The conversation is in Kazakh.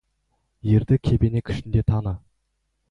Ерді кебенек ішінде таны.